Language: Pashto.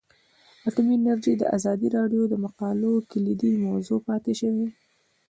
اټومي انرژي د ازادي راډیو د مقالو کلیدي موضوع پاتې شوی.